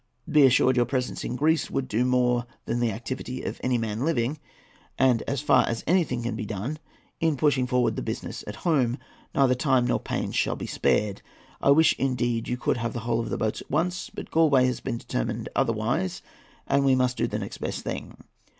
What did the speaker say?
Be assured, your presence in Greece would do more than the activity of any man living, and, as far as anything can be done in pushing forward the business at home, neither time nor pains shall be spared. I wish indeed you could have the whole of the boats at once; but Galloway has determined otherwise, and we must do the next best thing.